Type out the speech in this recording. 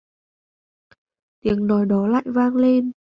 Tiếng nói đó lại vang lên